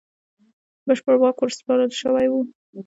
بشپړ واک ورسپارل شوی وو.